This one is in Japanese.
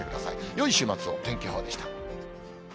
よい週末を、天気予報でした。